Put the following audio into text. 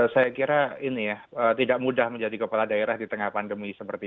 saya kira ini ya tidak mudah menjadi kepala daerah di tengah pandemi seperti ini